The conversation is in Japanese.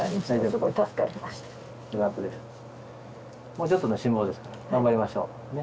もうちょっとの辛抱ですから頑張りましょうね？